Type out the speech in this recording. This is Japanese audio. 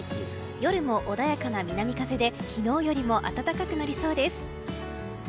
夜も穏やかな南風で昨日よりも暖かくなりそうです。